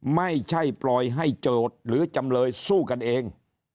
ไม่ใช่ปล่อยให้โจทย์หรือจำเลยสู้กันเอง